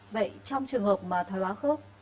vậy trong trường hợp mà thoái hóa khớp